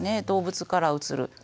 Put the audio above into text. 動物からうつる。